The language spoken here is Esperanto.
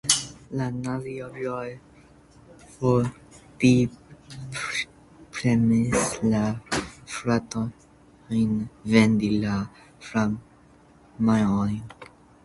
La nazioj forte premis la fratojn vendi la firmaon.